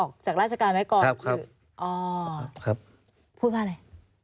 ออกจากราชการไว้ก่อนคืออ๋อพูดว่าอะไร